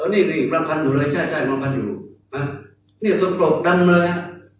นี่กลางทางอยู่เลยนี่สุขปลงวาดดันเลย